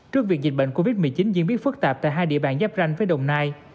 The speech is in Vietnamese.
trước việc dịch bệnh covid một mươi chín diễn biến phức tạp tại hai địa bàn giáp ranh với đồng nai